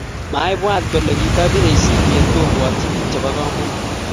Maibwat kole kitobirei simet kobwotyi bik chebo komonut